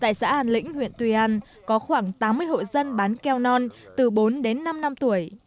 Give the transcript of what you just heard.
tại xã hàn lĩnh huyện tùy an có khoảng tám mươi hội dân bán keo non từ bốn đến năm năm tuổi